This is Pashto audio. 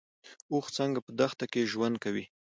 اوښ څنګه په دښته کې ژوند کوي؟